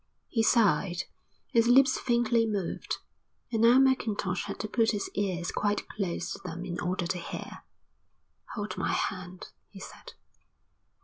He sighed. His lips faintly moved, and now Mackintosh had to put his ears quite close to them in order to hear. "Hold my hand," he said.